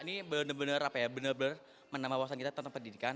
ini benar benar menambah wawasan kita tentang pendidikan